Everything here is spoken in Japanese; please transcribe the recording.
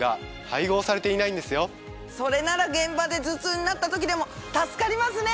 それなら現場で頭痛になった時でも助かりますね。